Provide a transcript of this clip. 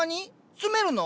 住めるの？